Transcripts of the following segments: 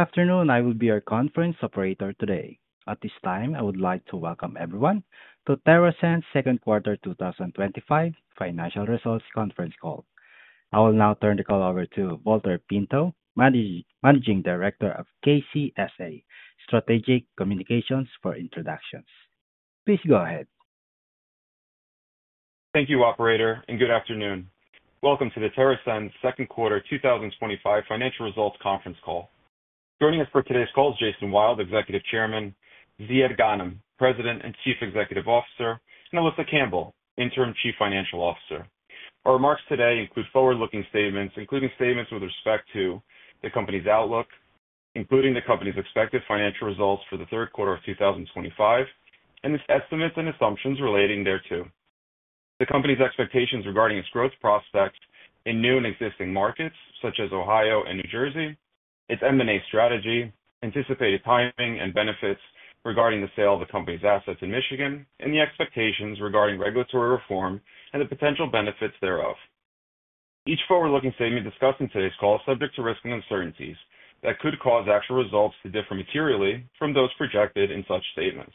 Afternoon, I will be your conference operator today. At this time, I would like to welcome everyone to TerrAscend's Second Quarter 2025 Financial Results Conference Call. I will now turn the call over to Valter Pinto, Managing Director of KCSA Strategic Communications for introductions. Please go ahead. Thank you, Operator, and good afternoon. Welcome to TerrAscend's second quarter 2025 financial results conference call. Joining us for today's call is Jason Wild, Executive Chairman, Ziad Ghanem, President and Chief Executive Officer, and Alisa Campbell, Interim Chief Financial Officer. Our remarks today include forward-looking statements, including statements with respect to the company's outlook, including the company's expected financial results for the third quarter of 2025, and its estimates and assumptions relating thereto. The company's expectations regarding its growth prospect in new and existing markets, such as Ohio and New Jersey, its M&A strategy, anticipated timing and benefits regarding the sale of the company's assets in Michigan, and the expectations regarding regulatory reform and the potential benefits thereof. Each forward-looking statement discussed in today's call is subject to risk and uncertainties that could cause actual results to differ materially from those projected in such statements.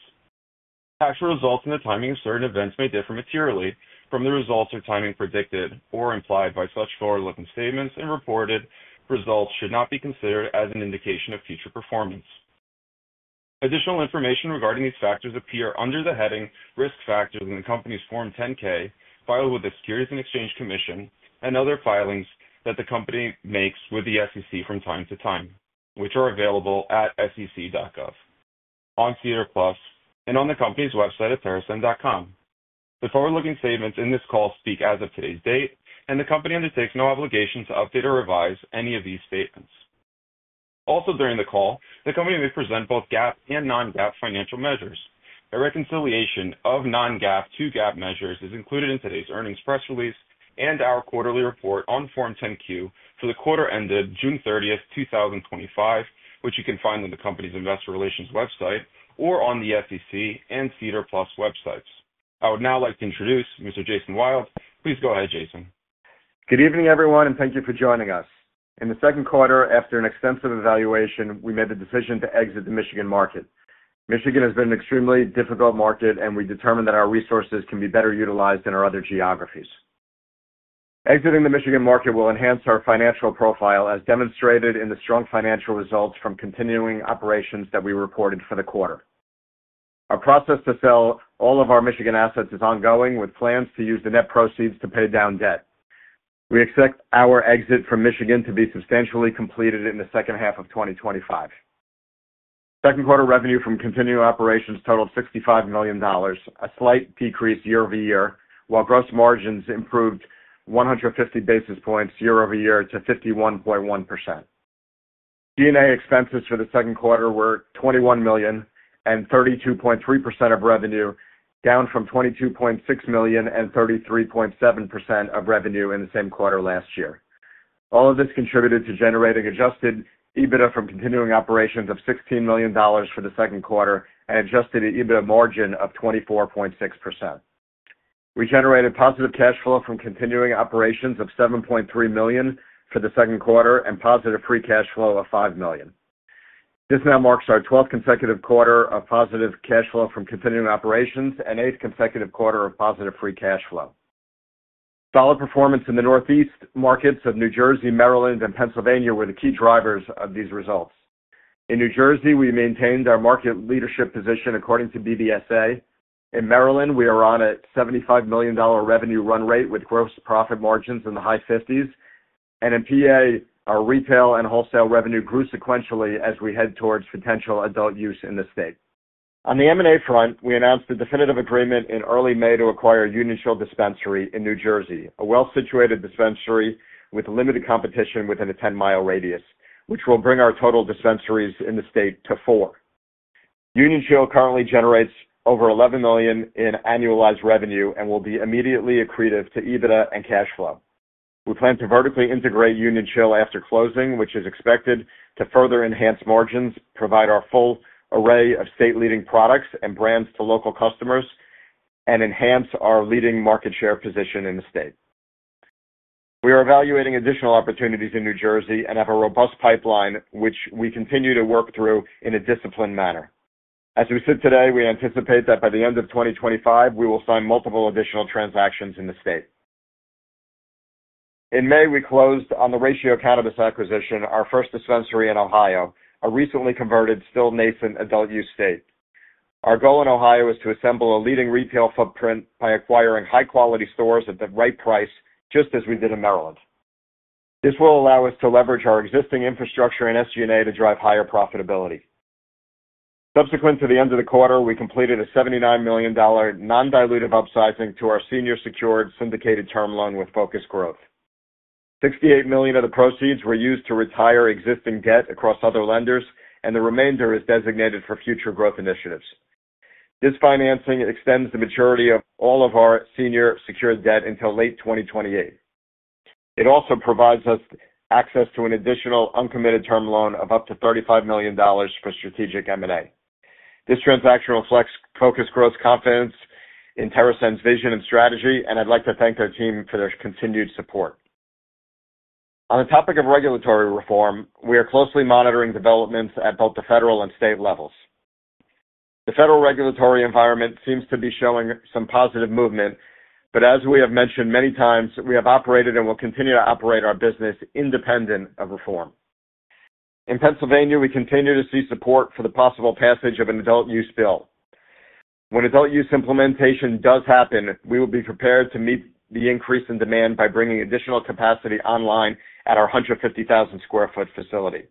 Actual results and the timing of certain events may differ materially from the results or timing predicted or implied by such forward-looking statements, and reported results should not be considered as an indication of future performance. Additional information regarding these factors appears under the heading "Risk Factors" in the company's Form 10-K filed with the Securities and Exchange Commission and other filings that the company makes with the SEC from time to time, which are available at sec.gov, on CNR Plus, and on the company's website at terrascend.com. The forward-looking statements in this call speak as of today's date, and the company undertakes no obligation to update or revise any of these statements. Also, during the call, the company may present both GAAP and non-GAAP financial measures. A reconciliation of non-GAAP to GAAP measures is included in today's earnings press release and our quarterly report on Form 10-Q for the quarter ended June 30, 2025, which you can find on the company's Investor Relations website or on the SEC and CNR Plus websites. I would now like to introduce Mr. Jason Wild. Please go ahead, Jason. Good evening, everyone, and thank you for joining us. In the second quarter, after an extensive evaluation, we made the decision to exit the Michigan market. Michigan has been an extremely difficult market, and we determined that our resources can be better utilized in our other geographies. Exiting the Michigan market will enhance our financial profile, as demonstrated in the strong financial results from continuing operations that we reported for the quarter. Our process to sell all of our Michigan assets is ongoing, with plans to use the net proceeds to pay down debt. We expect our exit from Michigan to be substantially completed in the second half of 2025. Second quarter revenue from continuing operations totaled $65 million, a slight decrease year-over-year, while gross margins improved 150 basis points year-over-year to 51.1%. G&A expenses for the second quarter were $21 million and 32.3% of revenue, down from $22.6 million and 33.7% of revenue in the same quarter last year. All of this contributed to generating adjusted EBITDA from continuing operations of $16 million for the second quarter and adjusted EBITDA margin of 24.6%. We generated positive cash flow from continuing operations of $7.3 million for the second quarter and positive free cash flow of $5 million. This now marks our 12th consecutive quarter of positive cash flow from continuing operations and the eighth consecutive quarter of positive free cash flow. Solid performance in the Northeastern U.S. markets of New Jersey, Maryland, and Pennsylvania were the key drivers of these results. In New Jersey, we maintained our market leadership position according to BDSA. In Maryland, we are on a $75 million revenue run rate with gross profit margins in the high fifties. In Pennsylvania, our retail and wholesale revenue grew sequentially as we head towards potential adult use in the state. On the M&A front, we announced a definitive agreement in early May to acquire Union Shield Dispensary in New Jersey, a well-situated dispensary with limited competition within a 10-mile radius, which will bring our total dispensaries in the state to four. Union Shield currently generates over $11 million in annualized revenue and will be immediately accretive to EBITDA and cash flow. We plan to vertically integrate Union Shield after closing, which is expected to further enhance margins, provide our full array of state-leading products and brands to local customers, and enhance our leading market share position in the state. We are evaluating additional opportunities in New Jersey and have a robust pipeline, which we continue to work through in a disciplined manner. As we sit today, we anticipate that by the end of 2025, we will sign multiple additional transactions in the state. In May, we closed on the Ratio Cannabis acquisition, our first dispensary in Ohio, a recently converted, still nascent adult use state. Our goal in Ohio is to assemble a leading retail footprint by acquiring high-quality stores at the right price, just as we did in Maryland. This will allow us to leverage our existing infrastructure and SG&A to drive higher profitability. Subsequent to the end of the quarter, we completed a $79 million non-dilutive upsizing to our senior-secured syndicated term loan with Focus Growth. $68 million of the proceeds were used to retire existing debt across other lenders, and the remainder is designated for future growth initiatives. This financing extends the maturity of all of our senior-secured debt until late 2028. It also provides us access to an additional uncommitted term loan of up to $35 million for strategic M&A. This transaction reflects Focus Growth's confidence in TerrAscend's vision and strategy, and I'd like to thank our team for their continued support. On the topic of regulatory reform, we are closely monitoring developments at both the federal and state levels. The federal regulatory environment seems to be showing some positive movement, but as we have mentioned many times, we have operated and will continue to operate our business independent of reform. In Pennsylvania, we continue to see support for the possible passage of an adult use bill. When adult use implementation does happen, we will be prepared to meet the increase in demand by bringing additional capacity online at our 150,000 square foot facility.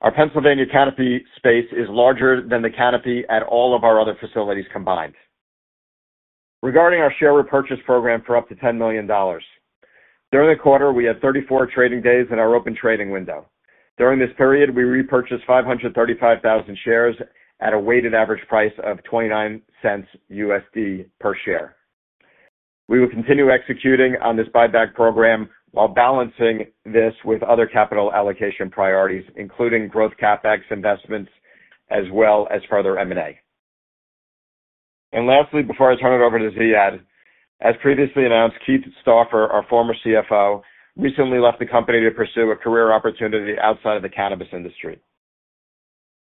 Our Pennsylvania canopy space is larger than the canopy at all of our other facilities combined. Regarding our share repurchase program for up to $10 million, during the quarter, we had 34 trading days in our open trading window. During this period, we repurchased 535,000 shares at a weighted average price of $0.29 USD per share. We will continue executing on this buyback program while balancing this with other capital allocation priorities, including growth CapEx investments, as well as further M&A. Lastly, before I turn it over to Ziad, as previously announced, Keith Stauffer, our former CFO, recently left the company to pursue a career opportunity outside of the cannabis industry.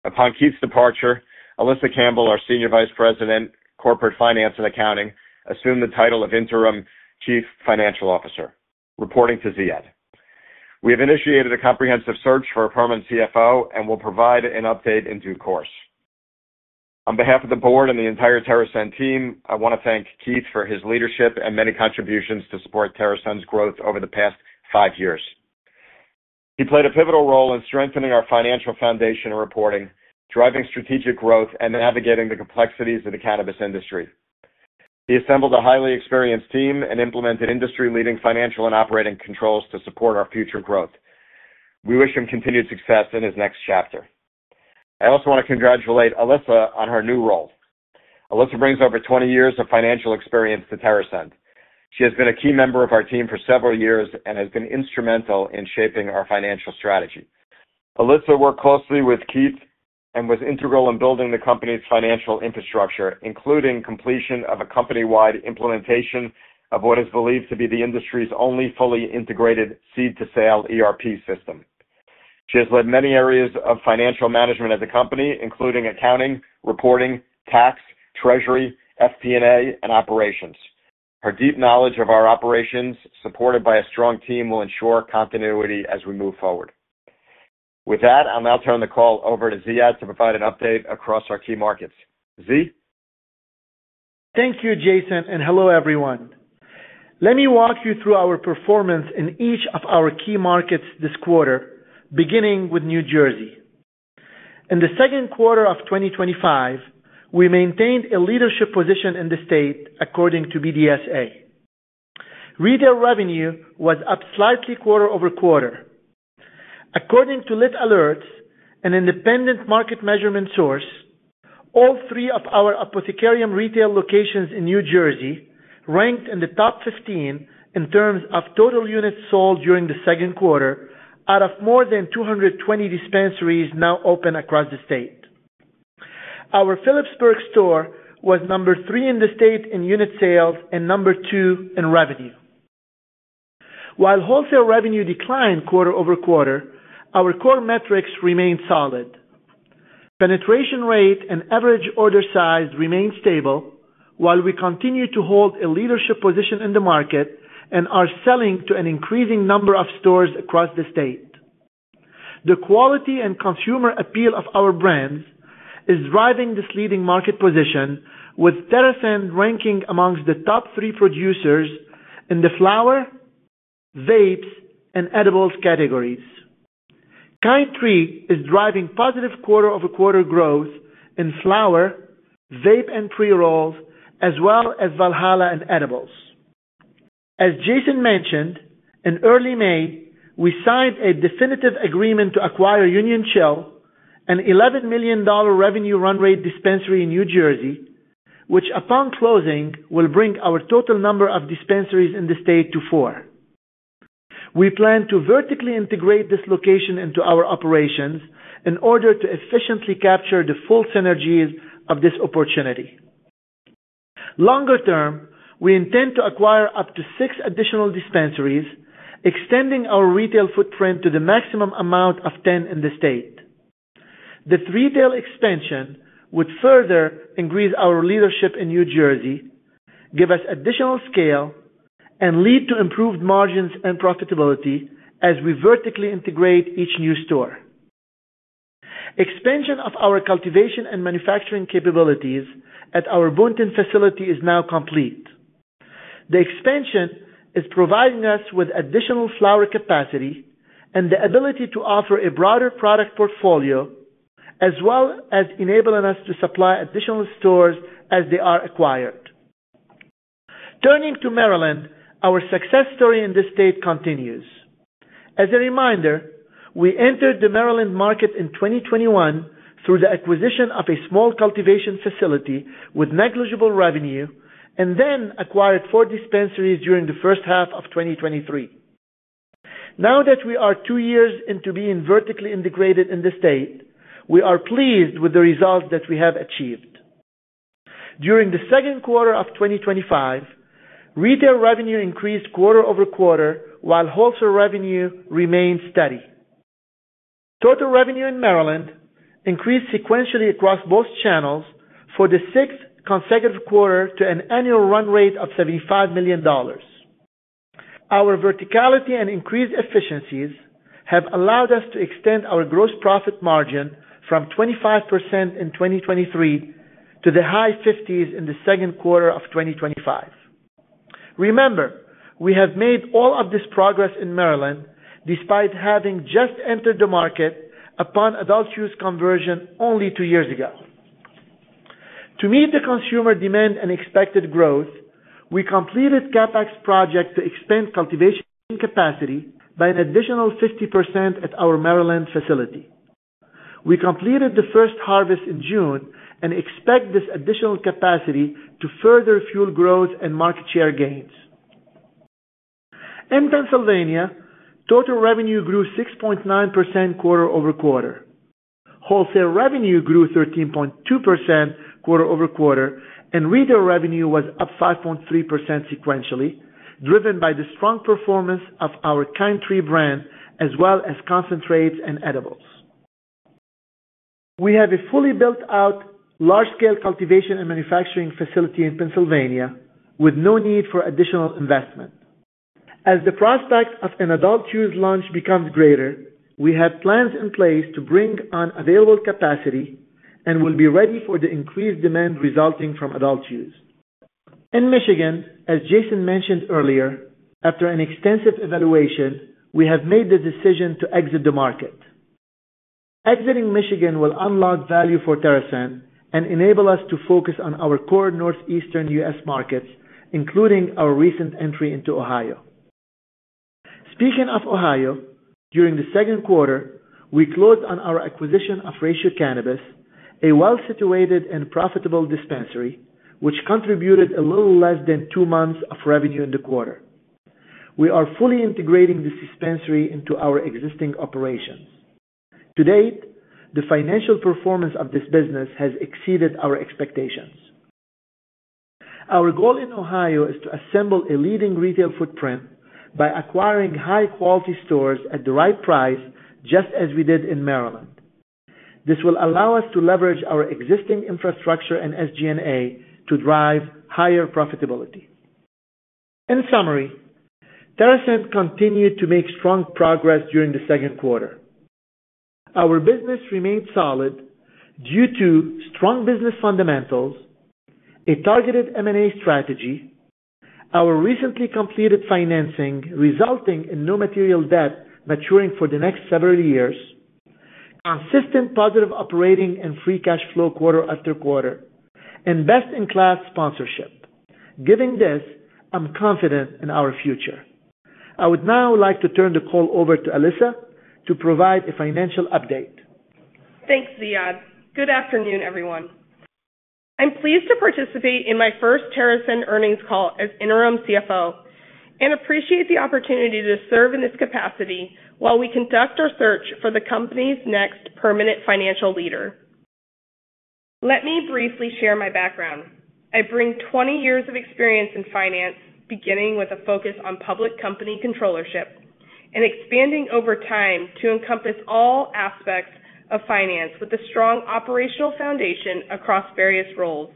Upon Keith's departure, Alisa Campbell, our Senior Vice President, Corporate Finance and Accounting, assumed the title of Interim Chief Financial Officer. Reporting to Ziad, we have initiated a comprehensive search for a permanent CFO and will provide an update in due course. On behalf of the board and the entire TerrAscend team, I want to thank Keith for his leadership and many contributions to support TerrAscend's growth over the past five years. He played a pivotal role in strengthening our financial foundation and reporting, driving strategic growth, and navigating the complexities of the cannabis industry. He assembled a highly experienced team and implemented industry-leading financial and operating controls to support our future growth. We wish him continued success in his next chapter. I also want to congratulate Alisa on her new role. Alisa brings over 20 years of financial experience to TerrAscend. She has been a key member of our team for several years and has been instrumental in shaping our financial strategy. Alisa worked closely with Keith and was integral in building the company's financial infrastructure, including completion of a company-wide implementation of what is believed to be the industry's only fully integrated seed-to-sale ERP system. She has led many areas of financial management at the company, including accounting, reporting, tax, treasury, FP&A, and operations. Her deep knowledge of our operations, supported by a strong team, will ensure continuity as we move forward. With that, I'll now turn the call over to Ziad to provide an update across our key markets. Zi? Thank you, Jason, and hello, everyone. Let me walk you through our performance in each of our key markets this quarter, beginning with New Jersey. In the second quarter of 2025, we maintained a leadership position in the state, according to BDSA. Retail revenue was up slightly quarter over quarter. According to Lit Alerts, an independent market measurement source, all three of our Apothecarium retail locations in New Jersey ranked in the top 15 in terms of total units sold during the second quarter, out of more than 220 dispensaries now open across the state. Our Philipsburg store was number three in the state in unit sales and number two in revenue. While wholesale revenue declined quarter over quarter, our core metrics remained solid. Penetration rate and average order size remained stable, while we continue to hold a leadership position in the market and are selling to an increasing number of stores across the state. The quality and consumer appeal of our brands is driving this leading market position, with TerrAscend ranking amongst the top three producers in the flower, vapes, and edibles categories. Kind Tree is driving positive quarter over quarter growth in flower, vape, and pre-rolls, as well as Valhalla and edibles. As Jason mentioned, in early May, we signed a definitive agreement to acquire Union Shield Dispensary, an $11 million revenue run rate dispensary in New Jersey, which upon closing will bring our total number of dispensaries in the state to four. We plan to vertically integrate this location into our operations in order to efficiently capture the full synergies of this opportunity. Longer term, we intend to acquire up to six additional dispensaries, extending our retail footprint to the maximum amount of 10 in the state. This retail expansion would further increase our leadership in New Jersey, give us additional scale, and lead to improved margins and profitability as we vertically integrate each new store. Expansion of our cultivation and manufacturing capabilities at our Boonton facility is now complete. The expansion is providing us with additional flower capacity and the ability to offer a broader product portfolio, as well as enabling us to supply additional stores as they are acquired. Turning to Maryland, our success story in this state continues. As a reminder, we entered the Maryland market in 2021 through the acquisition of a small cultivation facility with negligible revenue and then acquired four dispensaries during the first half of 2023. Now that we are two years into being vertically integrated in the state, we are pleased with the results that we have achieved. During the second quarter of 2025, retail revenue increased quarter over quarter, while wholesale revenue remained steady. Total revenue in Maryland increased sequentially across both channels for the sixth consecutive quarter to an annualized run rate of $75 million. Our verticality and increased efficiencies have allowed us to extend our gross margin from 25% in 2023 to the high fifties in the second quarter of 2025. Remember, we have made all of this progress in Maryland despite having just entered the market upon adult use conversion only two years ago. To meet the consumer demand and expected growth, we completed a CapEx project to expand cultivation capacity by an additional 50% at our Maryland facility. We completed the first harvest in June and expect this additional capacity to further fuel growth and market share gains. In Pennsylvania, total revenue grew 6.9% quarter over quarter. Wholesale revenue grew 13.2% quarter over quarter, and retail revenue was up 5.3% sequentially, driven by the strong performance of our Kind Tree brand as well as concentrates and edibles. We have a fully built-out large-scale cultivation and manufacturing facility in Pennsylvania with no need for additional investment. As the prospect of an adult use launch becomes greater, we have plans in place to bring on available capacity and will be ready for the increased demand resulting from adult use. In Michigan, as Jason mentioned earlier, after an extensive evaluation, we have made the decision to exit the market. Exiting Michigan will unlock value for TerrAscend and enable us to focus on our core Northeastern U.S. markets, including our recent entry into Ohio. Speaking of Ohio, during the second quarter, we closed on our acquisition of Ratio Cannabis, a well-situated and profitable dispensary, which contributed a little less than two months of revenue in the quarter. We are fully integrating this dispensary into our existing operations. To date, the financial performance of this business has exceeded our expectations. Our goal in Ohio is to assemble a leading retail footprint by acquiring high-quality stores at the right price, just as we did in Maryland. This will allow us to leverage our existing infrastructure and SG&A to drive higher profitability. In summary, TerrAscend continued to make strong progress during the second quarter. Our business remained solid due to strong business fundamentals, a targeted M&A strategy, our recently completed financing resulting in no material debt maturing for the next several years, consistent positive operating and free cash flow quarter after quarter, and best-in-class sponsorship. Given this, I'm confident in our future. I would now like to turn the call over to Alisa to provide a financial update. Thanks, Ziad. Good afternoon, everyone. I'm pleased to participate in my first TerrAscend earnings call as Interim CFO and appreciate the opportunity to serve in this capacity while we conduct our search for the company's next permanent financial leader. Let me briefly share my background. I bring 20 years of experience in finance, beginning with a focus on public company controllership and expanding over time to encompass all aspects of finance with a strong operational foundation across various roles.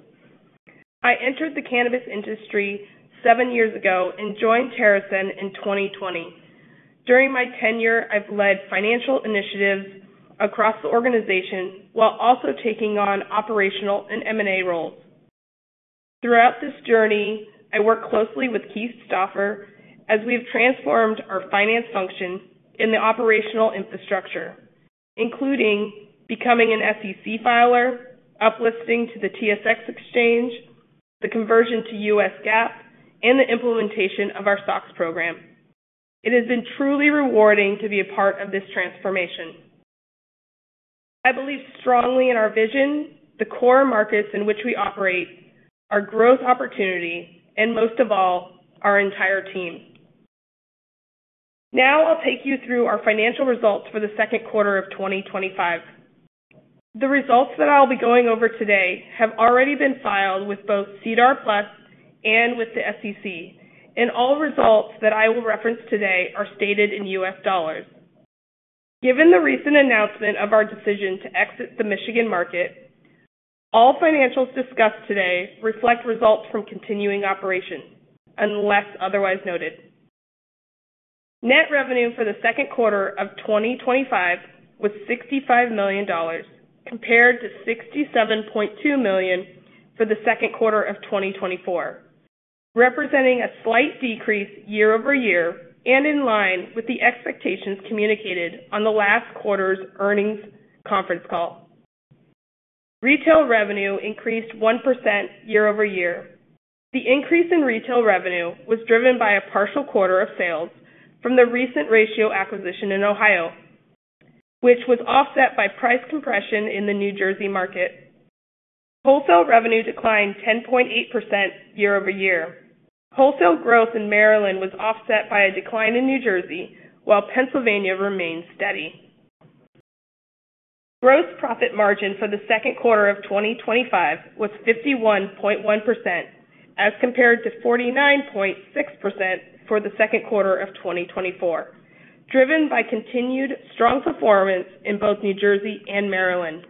I entered the cannabis industry seven years ago and joined TerrAscend in 2020. During my tenure, I've led financial initiatives across the organization while also taking on operational and M&A roles. Throughout this journey, I work closely with Keith Stauffer as we've transformed our finance functions and the operational infrastructure, including becoming an SEC filer, uplisting to the TSX exchange, the conversion to U.S. GAAP, and the implementation of our SOX program. It has been truly rewarding to be a part of this transformation. I believe strongly in our vision, the core markets in which we operate, our growth opportunity, and most of all, our entire team. Now I'll take you through our financial results for the second quarter of 2025. The results that I'll be going over today have already been filed with both CNR Plus and with the SEC, and all results that I will reference today are stated in U.S. dollars. Given the recent announcement of our decision to exit the Michigan market, all financials discussed today reflect results from continuing operations, unless otherwise noted. Net revenue for the second quarter of 2025 was $65 million, compared to $67.2 million for the second quarter of 2024, representing a slight decrease year over year and in line with the expectations communicated on the last quarter's earnings conference call. Retail revenue increased 1% year over year. The increase in retail revenue was driven by a partial quarter of sales from the recent Ratio Cannabis acquisition in Ohio, which was offset by price compression in the New Jersey market. Wholesale revenue declined 10.8% year over year. Wholesale growth in Maryland was offset by a decline in New Jersey, while Pennsylvania remained steady. Gross profit margin for the second quarter of 2025 was 51.1% as compared to 49.6% for the second quarter of 2024, driven by continued strong performance in both New Jersey and Maryland.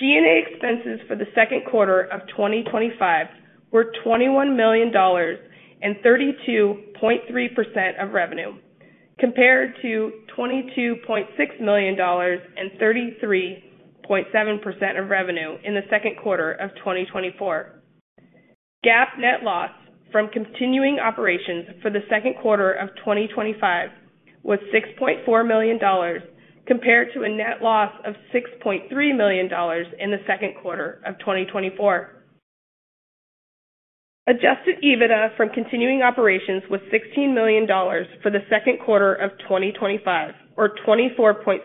G&A expenses for the second quarter of 2025 were $21 million and 32.3% of revenue, compared to $22.6 million and 33.7% of revenue in the second quarter of 2024. GAAP net loss from continuing operations for the second quarter of 2025 was $6.4 million, compared to a net loss of $6.3 million in the second quarter of 2024. Adjusted EBITDA from continuing operations was $16 million for the second quarter of 2025, or 24.6%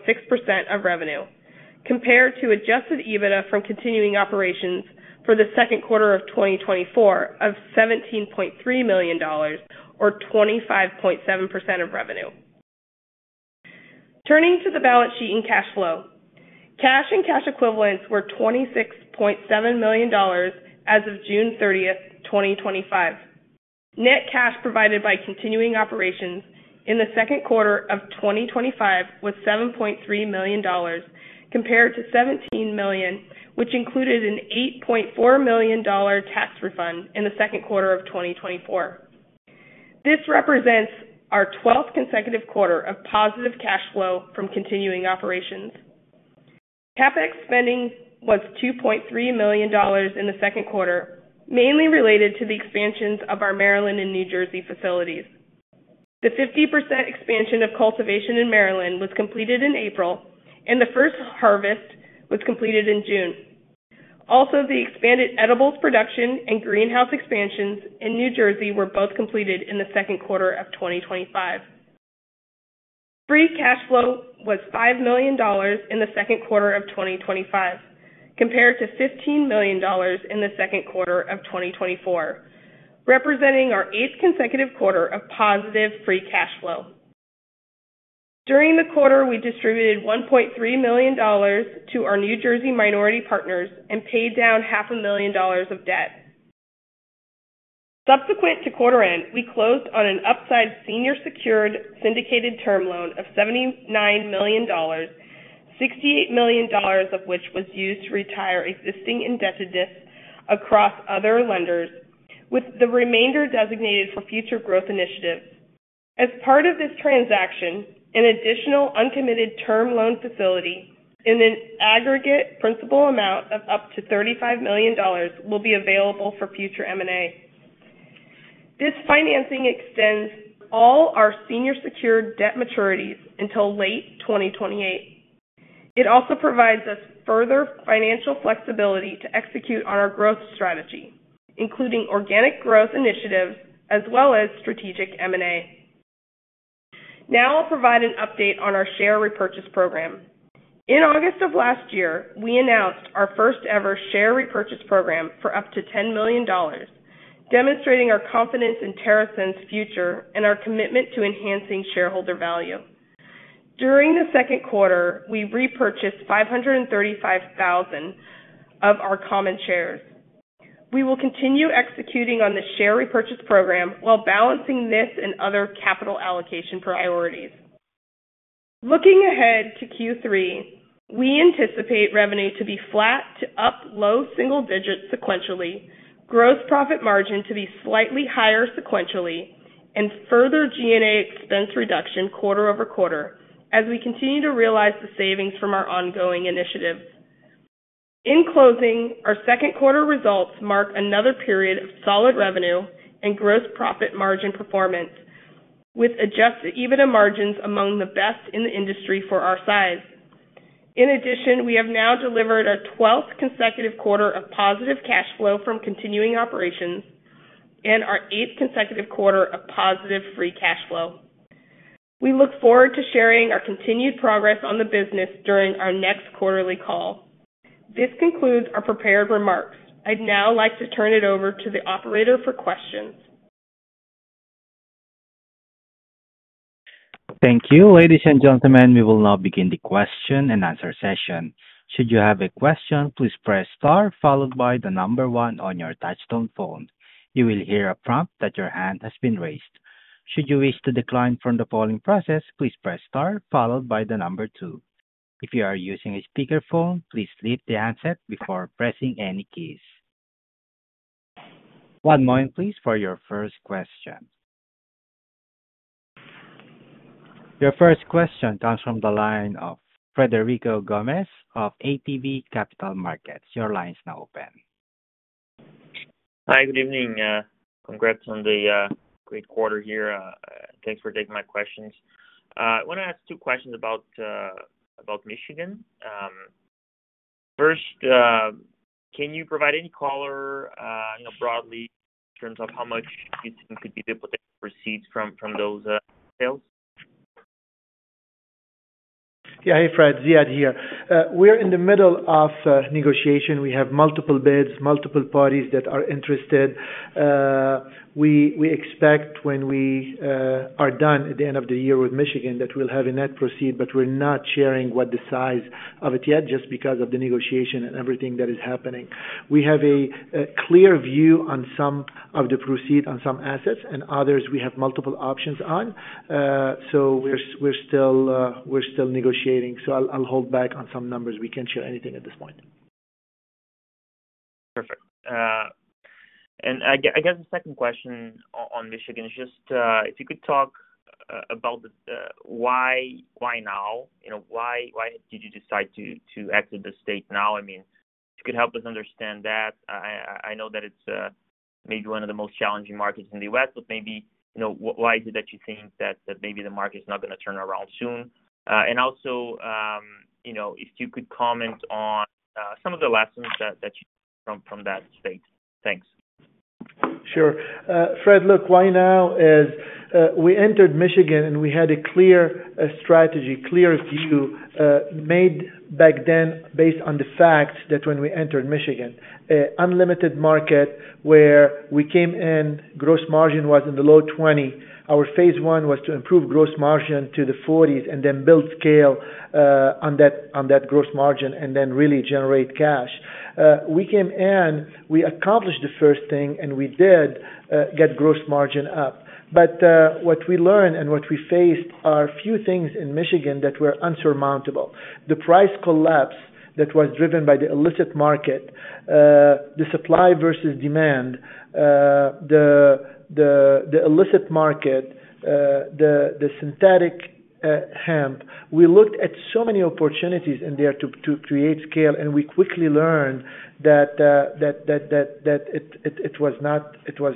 of revenue, compared to adjusted EBITDA from continuing operations for the second quarter of 2024 of $17.3 million, or 25.7% of revenue. Turning to the balance sheet and cash flow, cash and cash equivalents were $26.7 million as of June 30, 2025. Net cash provided by continuing operations in the second quarter of 2025 was $7.3 million, compared to $17 million, which included an $8.4 million tax refund in the second quarter of 2024. This represents our 12th consecutive quarter of positive cash flow from continuing operations. CapEx spending was $2.3 million in the second quarter, mainly related to the expansions of our Maryland and New Jersey facilities. The 50% expansion of cultivation in Maryland was completed in April, and the first harvest was completed in June. Also, the expanded edibles production and greenhouse expansions in New Jersey were both completed in the second quarter of 2025. Free cash flow was $5 million in the second quarter of 2025, compared to $15 million in the second quarter of 2024, representing our eighth consecutive quarter of positive free cash flow. During the quarter, we distributed $1.3 million to our New Jersey minority partners and paid down half a million dollars of debt. Subsequent to quarter end, we closed on an upside senior-secured syndicated term loan of $79 million, $68 million of which was used to retire existing indebtedness across other lenders, with the remainder designated for future growth initiatives. As part of this transaction, an additional uncommitted term loan facility in an aggregate principal amount of up to $35 million will be available for future M&A. This financing extends all our senior-secured debt maturities until late 2028. It also provides us further financial flexibility to execute on our growth strategy, including organic growth initiatives as well as strategic M&A. Now I'll provide an update on our share repurchase program. In August of last year, we announced our first-ever share repurchase program for up to $10 million, demonstrating our confidence in TerrAscend's future and our commitment to enhancing shareholder value. During the second quarter, we repurchased 535,000 of our common shares. We will continue executing on the share repurchase program while balancing this and other capital allocation priorities. Looking ahead to Q3, we anticipate revenue to be flat to up low single digits sequentially, gross profit margin to be slightly higher sequentially, and further G&A expense reduction quarter over quarter as we continue to realize the savings from our ongoing initiatives. In closing, our second quarter results mark another period of solid revenue and gross profit margin performance, with adjusted EBITDA margins among the best in the industry for our size. In addition, we have now delivered our 12th consecutive quarter of positive cash flow from continuing operations and our eighth consecutive quarter of positive free cash flow. We look forward to sharing our continued progress on the business during our next quarterly call. This concludes our prepared remarks. I'd now like to turn it over to the operator for questions. Thank you, ladies and gentlemen. We will now begin the question and answer session. Should you have a question, please press star followed by the number one on your touch-tone phone. You will hear a prompt that your hand has been raised. Should you wish to decline from the polling process, please press star followed by the number two. If you are using a speakerphone, please lift the handset before pressing any keys. One moment, please, for your first question. Your first question comes from the line of Frederico Gomes of ATB Capital Markets. Your line is now open. Hi, good evening. Congrats on the great quarter here. Thanks for taking my questions. I want to ask two questions about Michigan. First, can you provide any color, you know, broadly in terms of how much you think could be the potential proceeds from those sales? Yeah, hey Fred, Ziad here. We're in the middle of negotiation. We have multiple bids, multiple parties that are interested. We expect when we are done at the end of the year with Michigan that we'll have a net proceed, but we're not sharing what the size of it is yet just because of the negotiation and everything that is happening. We have a clear view on some of the proceeds on some assets and others we have multiple options on. We're still negotiating. I'll hold back on some numbers. We can't share anything at this point. Perfect. I guess the second question on Michigan is just if you could talk about why now, you know, why did you decide to exit the state now? I mean, if you could help us understand that. I know that it's maybe one of the most challenging markets in the U.S., but maybe, you know, why is it that you think that maybe the market is not going to turn around soon? Also, you know, if you could comment on some of the lessons that you learned from that state. Thanks. Sure. Fred, look, why now is we entered Michigan and we had a clear strategy, clear view made back then based on the fact that when we entered Michigan, an unlimited market where we came in, gross margin was in the low 20%. Our phase one was to improve gross margin to the 40% and then build scale on that gross margin and then really generate cash. We came in, we accomplished the first thing, and we did get gross margin up. What we learned and what we faced are a few things in Michigan that were unsurmountable. The price collapse that was driven by the illicit market, the supply versus demand, the illicit market, the synthetic hemp. We looked at so many opportunities in there to create scale, and we quickly learned that it was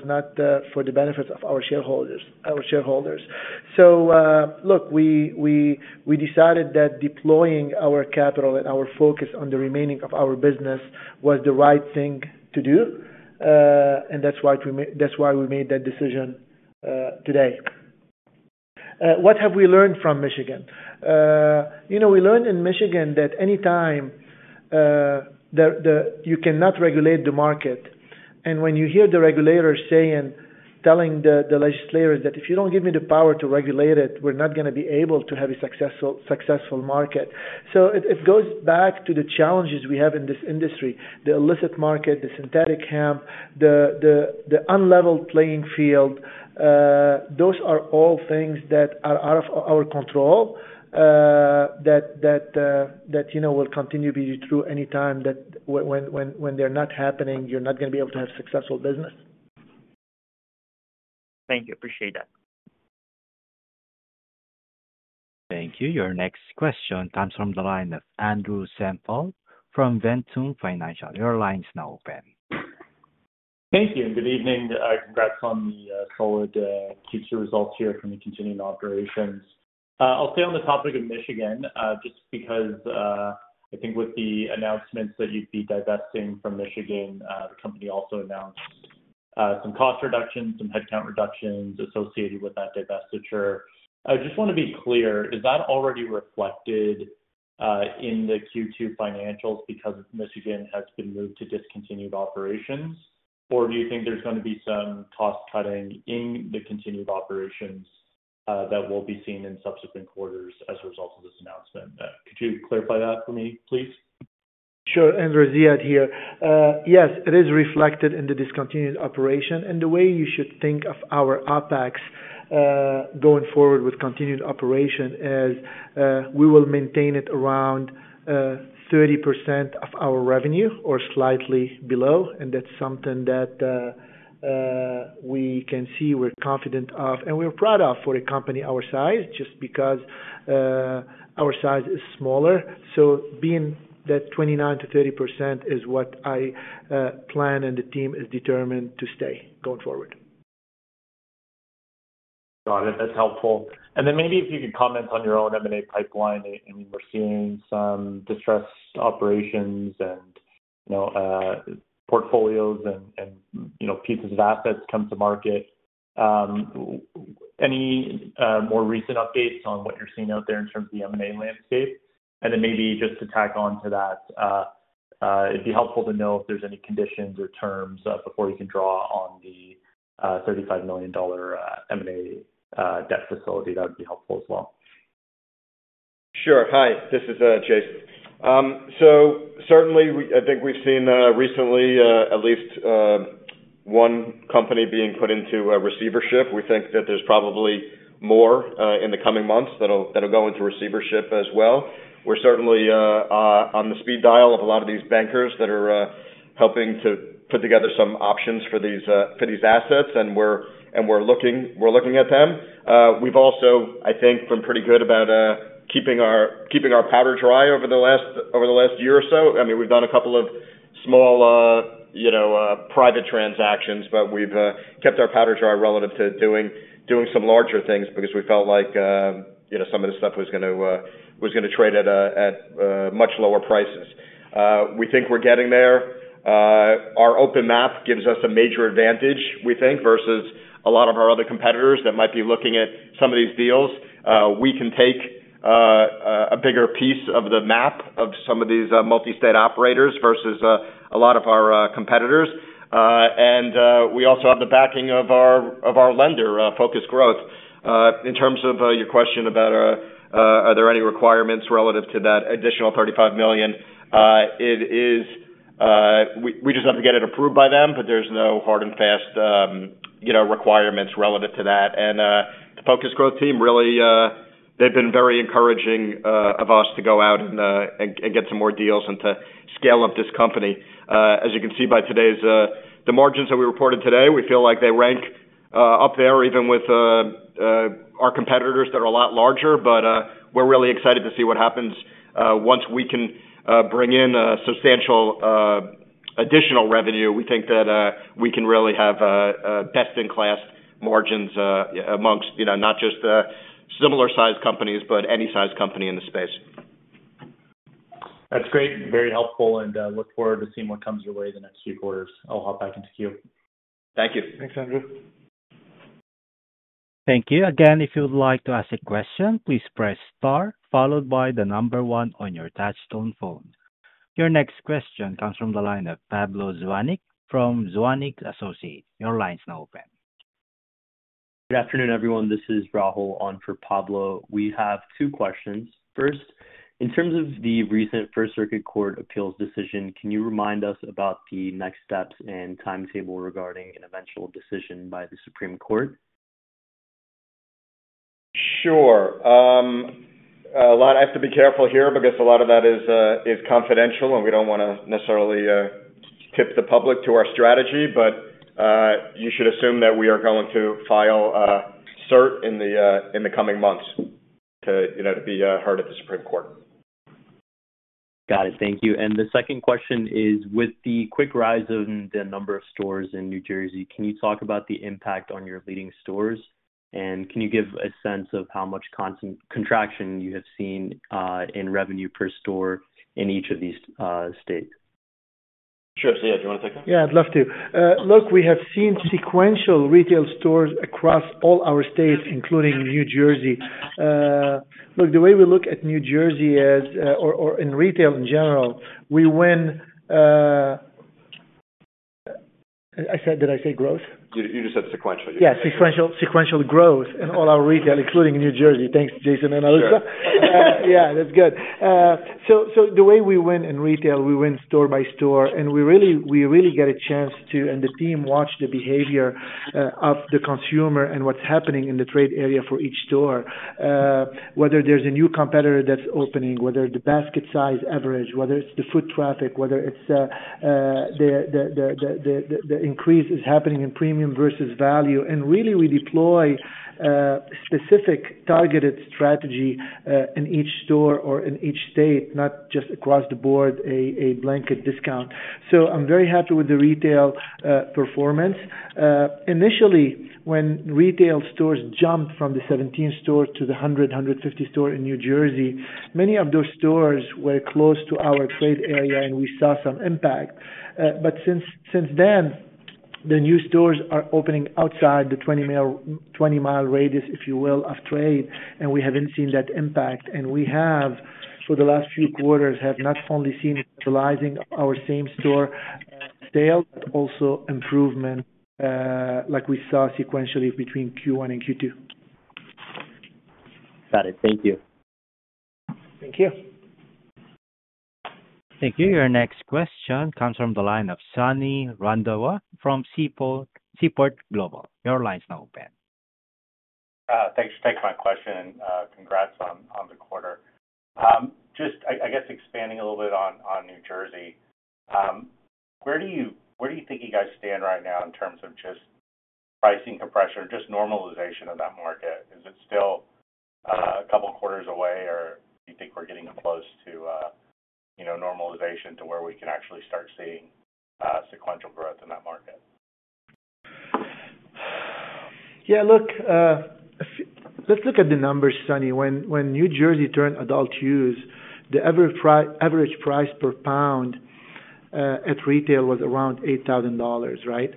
not for the benefits of our shareholders. We decided that deploying our capital and our focus on the remaining of our business was the right thing to do. That's why we made that decision today. What have we learned from Michigan? We learned in Michigan that anytime you cannot regulate the market, and when you hear the regulators saying, telling the legislators that if you don't give me the power to regulate it, we're not going to be able to have a successful market. It goes back to the challenges we have in this industry, the illicit market, the synthetic hemp, the unlevel playing field. Those are all things that are out of our control that will continue to be true anytime that when they're not happening, you're not going to be able to have successful business. Thank you. Appreciate that. Thank you. Your next question comes from the line of Andrew Semple from Ventum Financial. Your line is now open. Thank you, and good evening. Congrats on the solid Q2 results here from the continuing operations. I'll stay on the topic of Michigan just because I think with the announcements that you'd be divesting from Michigan, the company also announced some cost reductions, some headcount reductions associated with that divestiture. I just want to be clear, is that already reflected in the Q2 financials because Michigan has been moved to discontinued operations? Or do you think there's going to be some cost cutting in the continued operations that will be seen in subsequent quarters as a result of this announcement? Could you clarify that for me, please? Sure. Andrew, Ziad here. Yes, it is reflected in the discontinued operation. The way you should think of our OpEx going forward with continued operation is we will maintain it around 30% of our revenue or slightly below. That's something that we can see we're confident of and we're proud of for a company our size just because our size is smaller. Being at 29%-30% is what I plan and the team is determined to stay going forward. Got it. That's helpful. Maybe if you could comment on your own M&A pipeline. We're seeing some distressed operations and portfolios and pieces of assets come to market. Any more recent updates on what you're seeing out there in terms of the M&A landscape? Maybe just to tack on to that, it'd be helpful to know if there's any conditions or terms before you can draw on the $35 million M&A debt facility. That would be helpful as well. Sure. Hi, this is Jason. Certainly, I think we've seen recently at least one company being put into a receivership. We think that there's probably more in the coming months that'll go into receivership as well. We're certainly on the speed dial of a lot of these bankers that are helping to put together some options for these assets, and we're looking at them. We've also, I think, been pretty good about keeping our powder dry over the last year or so. I mean, we've done a couple of small, you know, private transactions, but we've kept our powder dry relative to doing some larger things because we felt like, you know, some of the stuff was going to trade at much lower prices. We think we're getting there. Our open map gives us a major advantage, we think, versus a lot of our other competitors that might be looking at some of these deals. We can take a bigger piece of the map of some of these multi-state operators versus a lot of our competitors. We also have the backing of our lender, Focus Growth. In terms of your question about are there any requirements relative to that additional $35 million, we just have to get it approved by them, but there's no hard and fast, you know, requirements relative to that. The Focus Growth team really, they've been very encouraging of us to go out and get some more deals and to scale up this company. As you can see by the margins that we reported today, we feel like they rank up there even with our competitors that are a lot larger, but we're really excited to see what happens once we can bring in substantial additional revenue. We think that we can really have best-in-class margins amongst, you know, not just the similar sized companies, but any sized company in the space. That's great. Very helpful and look forward to seeing what comes your way the next few quarters. I'll hop back into queue. Thank you. Thanks, Andrew. Thank you. Again, if you'd like to ask a question, please press star followed by the number one on your touchstone phone. Your next question comes from the line of Pablo Zuanic from Zuanic Associates. Your line is now open. Good afternoon, everyone. This is Rahul on for Pablo. We have two questions. First, in terms of the recent First Circuit Court appeals decision, can you remind us about the next steps and timetable regarding an eventual decision by the Supreme Court? Sure. I have to be careful here because a lot of that is confidential, and we don't want to necessarily tip the public to our strategy, but you should assume that we are going to file a cert in the coming months to be heard at the Supreme Court. Got it. Thank you. The second question is, with the quick rise in the number of stores in New Jersey, can you talk about the impact on your leading stores? Can you give a sense of how much constant contraction you have seen in revenue per store in each of these states? Sure. Ziad, do you want to take that? Yeah, I'd love to. We have seen sequential retail stores across all our states, including New Jersey. The way we look at New Jersey or in retail in general, we win. Did I say growth? You just said sequential. Yeah, sequential growth in all our retail, including New Jersey. Thanks, Jason and Alisa. That's good. The way we win in retail, we win store by store, and we really get a chance to, and the team watch the behavior of the consumer and what's happening in the trade area for each store. Whether there's a new competitor that's opening, whether the basket size average, whether it's the foot traffic, whether the increase is happening in premium versus value, we deploy a specific targeted strategy in each store or in each state, not just across the board, a blanket discount. I'm very happy with the retail performance. Initially, when retail stores jumped from the 17 store to the 100, 150 store in New Jersey, many of those stores were close to our trade area and we saw some impact. Since then, the new stores are opening outside the 20-mile radius, if you will, of trade, and we haven't seen that impact. We have, for the last few quarters, not only seen the rise in our same store sales, but also improvement like we saw sequentially between Q1 and Q2. Got it. Thank you. Thank you. Thank you. Your next question comes from the line of Sonny Randhawa from Seaport Global. Your line is now open. Thanks for my question. Congrats on the quarter. Just, I guess, expanding a little bit on New Jersey, where do you think you guys stand right now in terms of just pricing compression, just normalization of that market? Is it still a couple of quarters away, or I think we're getting close to, you know, normalization to where we can actually start seeing sequential? Yeah, look, let's look at the numbers, Sonny. When New Jersey turned adult use, the average price per pound at retail was around $8,000, right?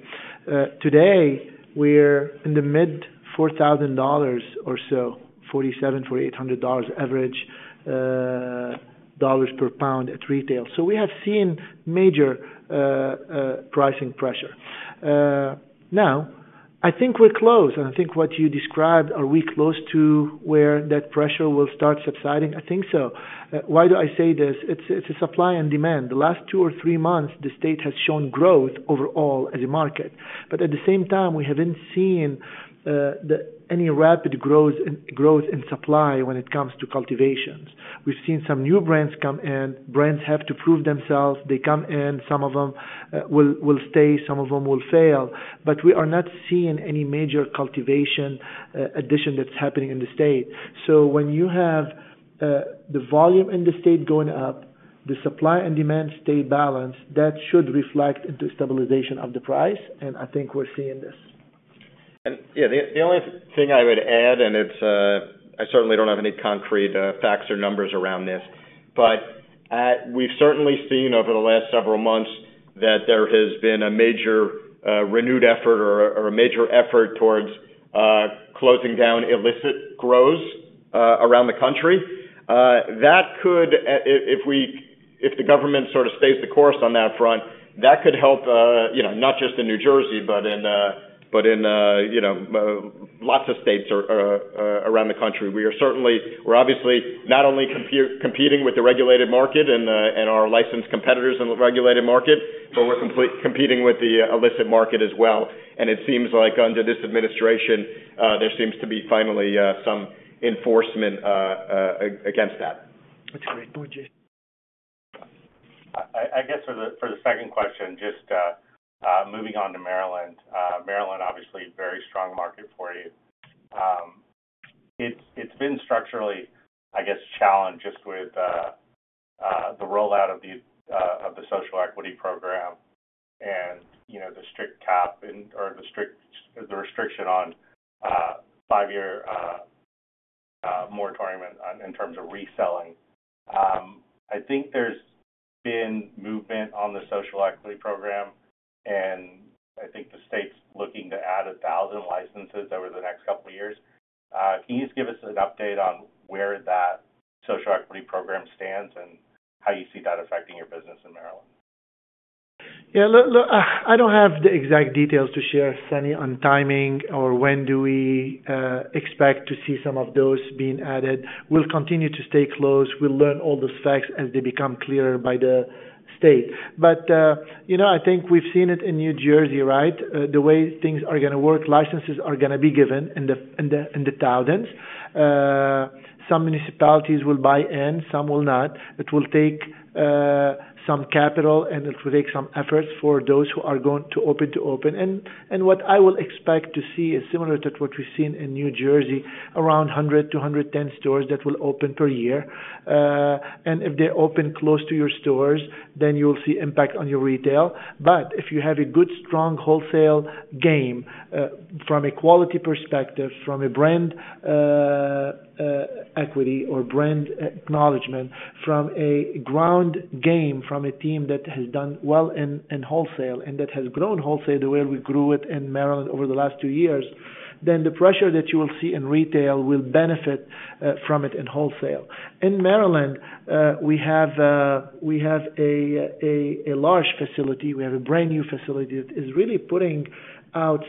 Today, we're in the mid $4,000 or so, $4,700, $4,800 average dollars per pound at retail. We have seen major pricing pressure. Now, I think we're close, and I think what you described, are we close to where that pressure will start subsiding? I think so. Why do I say this? It's a supply and demand. The last two or three months, the state has shown growth overall as a market. At the same time, we haven't seen any rapid growth in supply when it comes to cultivations. We've seen some new brands come in. Brands have to prove themselves. They come in. Some of them will stay. Some of them will fail. We are not seeing any major cultivation addition that's happening in the state. When you have the volume in the state going up, the supply and demand stay balanced, that should reflect the stabilization of the price, and I think we're seeing this. The only thing I would add, and I certainly don't have any concrete facts or numbers around this, but we've certainly seen over the last several months that there has been a major renewed effort or a major effort towards closing down illicit grows around the country. That could, if the government sort of stays the course on that front, help not just in New Jersey, but in lots of states around the country. We are certainly not only competing with the regulated market and our licensed competitors in the regulated market, but we're competing with the illicit market as well. It seems like under this administration, there seems to be finally some enforcement against that. That's great. Boji. I guess for the second question, just moving on to Maryland. Maryland, obviously, a very strong market for you. It's been structurally, I guess, challenged with the rollout of the social equity program and the strict cap or the restriction on five-year moratorium in terms of reselling. I think there's been movement on the social equity program, and I think the state's looking to add 1,000 licenses over the next couple of years. Can you just give us an update on where that social equity program stands and how you see that affecting your business in Maryland? Yeah, look, I don't have the exact details to share, Sonny, on timing or when we expect to see some of those being added. We'll continue to stay close. We'll learn all the facts as they become clearer by the state. I think we've seen it in New Jersey, right? The way things are going to work, licenses are going to be given in the thousands. Some municipalities will buy in, some will not. It will take some capital and it will take some efforts for those who are going to open to open. What I expect to see is similar to what we've seen in New Jersey, around 100-110 stores that will open per year. If they open close to your stores, then you'll see impact on your retail. If you have a good, strong wholesale game from a quality perspective, from a brand equity or brand acknowledgement, from a ground game, from a team that has done well in wholesale and that has grown wholesale the way we grew it in Maryland over the last two years, then the pressure that you will see in retail will benefit from it in wholesale. In Maryland, we have a large facility. We have a brand new facility that is really putting out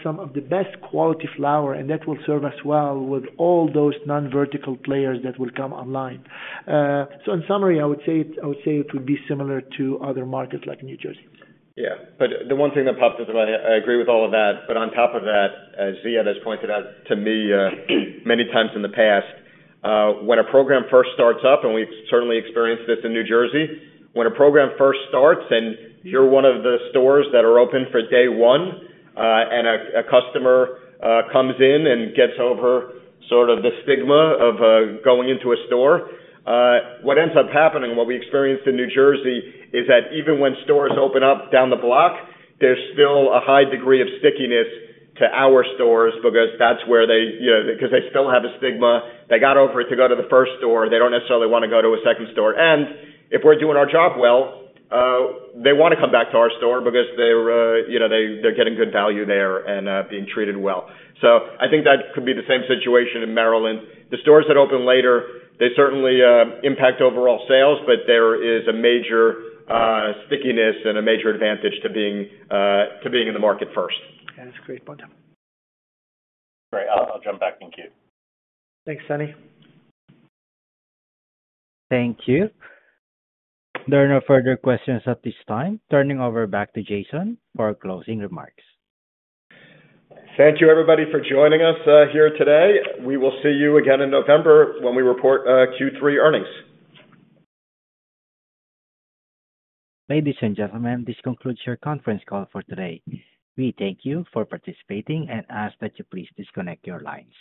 some of the best quality flower, and that will serve us well with all those non-vertical players that will come online. In summary, I would say it would be similar to other markets like New Jersey. Yeah, but the one thing that popped into my head, I agree with all of that, but on top of that, as Ziad has pointed out to me many times in the past, when a program first starts up, and we've certainly experienced this in New Jersey, when a program first starts and you're one of the stores that are open for day one and a customer comes in and gets over sort of the stigma of going into a store, what ends up happening, what we experienced in New Jersey, is that even when stores open up down the block, there's still a high degree of stickiness to our stores because that's where they, you know, because they still have a stigma. They got over it to go to the first store. They don't necessarily want to go to a second store. If we're doing our job well, they want to come back to our store because they're, you know, they're getting good value there and being treated well. I think that could be the same situation in Maryland. The stores that open later certainly impact overall sales, but there is a major stickiness and a major advantage to being in the market first. Yeah, that's a great point. Great. I'll jump back in queue. Thanks, Sonny. Thank you. There are no further questions at this time. Turning over back to Jason Wild for closing remarks. Thank you, everybody, for joining us here today. We will see you again in November when we report Q3 earnings. Ladies and gentlemen, this concludes your conference call for today. We thank you for participating and ask that you please disconnect your lines.